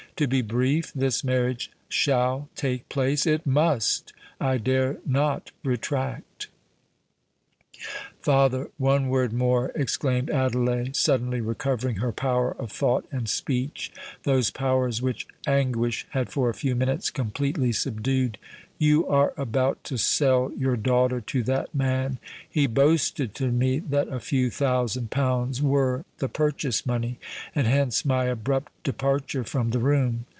To be brief, this marriage shall take place—it must—I dare not retract." "Father, one word more," exclaimed Adelais, suddenly recovering her power of thought and speech—those powers which anguish had for a few minutes completely subdued: "you are about to sell your daughter to that man—he boasted to me that a few thousand pounds were the purchase money—and hence my abrupt departure from the room."